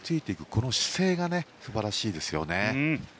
この姿勢が素晴らしいですよね。